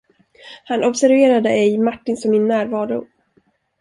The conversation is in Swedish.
Han observerade ej Martins och min närvaro.